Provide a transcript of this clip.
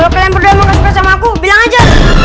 kalau kalian berdua mau kesukaan sama aku bilang aja